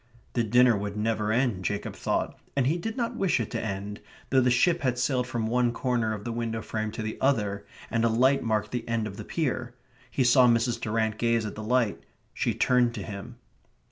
The dinner would never end, Jacob thought, and he did not wish it to end, though the ship had sailed from one corner of the window frame to the other, and a light marked the end of the pier. He saw Mrs. Durrant gaze at the light. She turned to him.